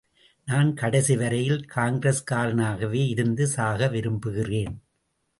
நான் கடைசி வரையில் காங்கிரஸ்காரனாகவே இருந்து சாக விரும்புகிறேன்.